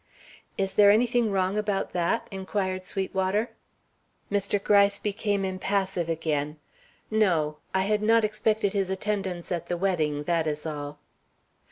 "Is there anything wrong about that?" inquired Sweetwater. Mr. Gryce became impassive again. "No; I had not expected his attendance at the wedding; that is all."